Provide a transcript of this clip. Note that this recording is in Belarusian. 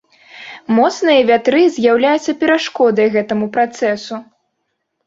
Моцныя вятры з'яўляюцца перашкодай гэтаму працэсу.